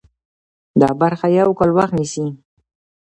دا برخه یو کال وخت نیسي.